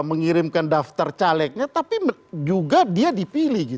mengirimkan daftar calegnya tapi juga dia dipilih